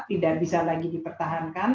tidak bisa lagi dipertahankan